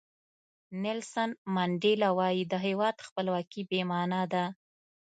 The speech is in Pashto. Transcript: نیلسن منډیلا وایي د هیواد خپلواکي بې معنا ده.